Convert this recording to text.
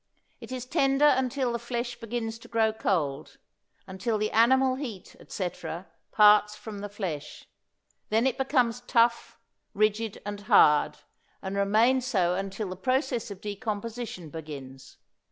It is tender until the flesh begins to grow cold, until the animal heat, etc., parts from the flesh. Then it becomes tough, rigid and hard, and remains so until the process of decomposition begins.